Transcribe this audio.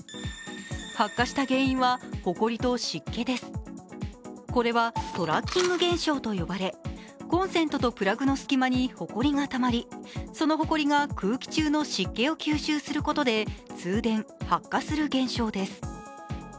発火した原因は、ほこりと湿気ですこれらトラッキング現象と呼ばれコンセントとプラグの隙間にほこりがたまり、そのほこりが空気中の湿気を吸収することで通電・発火する現象です。